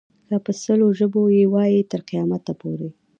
که په سل ژبو یې وایې تر قیامته پورې.